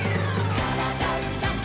「からだダンダンダン」